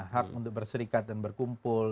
hak untuk berserikat dan berkumpul